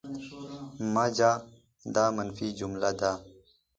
مه ځه! دا منفي جمله ده.